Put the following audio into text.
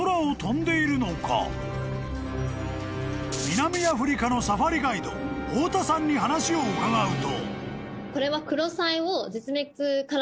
［南アフリカのサファリガイド太田さんに話を伺うと］